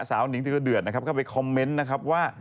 สาวหนิงเดือดเข้าไปคอมเม้นต์นะครับว่า